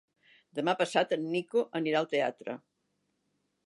Demà passat en Nico anirà al teatre.